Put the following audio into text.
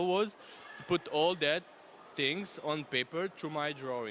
memasukkan semua hal itu di kertas melalui gambar saya